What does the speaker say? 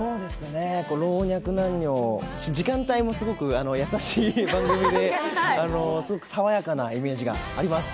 老若男女、時間帯も優しい時間帯ですごくさわやかなイメージがあります。